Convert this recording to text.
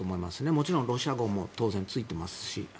もちろんロシア語も当然ついていますし。